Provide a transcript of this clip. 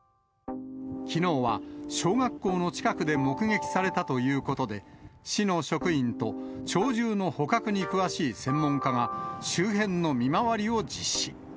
きのうは小学校の近くで目撃されたということで、市の職員と鳥獣の捕獲に詳しい専門家が周辺の見回りを実施。